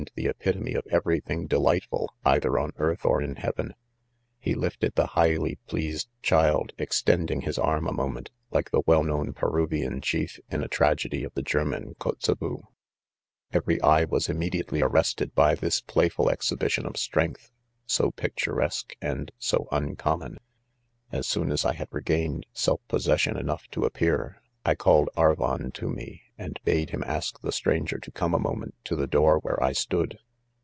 the 'epitome of every thing delightful either ow THE CONFESSIONS. 81. earth ; or in heaven, he lifted the , highly pleas ed child, extending his arm ; a moment, like the well known Peruvian chief in a tragedy of, the, German Kptzebue. £ Every, eye. was immediately arrested "by, this playful exhibition of strength, so pictur esque and so uncommon, 6 As soon as. I had regained ..self possession enough. to appear, I called Arvon to ; me, and bade him ask the stranger to cornea moment,, to the door where I stood.